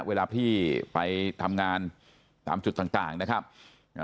เวลาที่ไปทำงานตามจุดต่างการนะฮะ